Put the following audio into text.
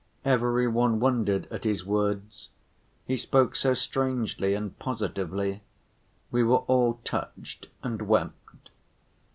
Every one wondered at his words, he spoke so strangely and positively; we were all touched and wept.